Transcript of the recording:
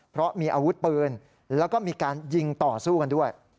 เพราะมีอาวุธปืนแล้วก็มีการยิงต่อสู้กันด้วย